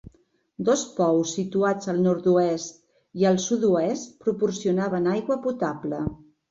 Dos pous situats al nord-oest i al sud-oest proporcionaven aigua potable.